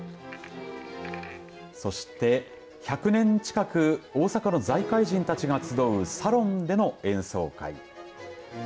そして、１００年近く大阪の財界人たちが集うサロンでの演奏会。